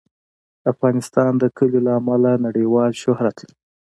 افغانستان د کلیو له امله نړیوال شهرت لري.